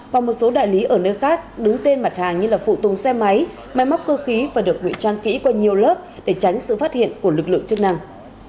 và một số đại lý ở nơi khác đứng tên mặt hàng như là phụ tùng xe máy máy móc cơ khí và được nguy trang kỹ qua nhiều lớp để tránh sự phát hiện của lực lượng chức năng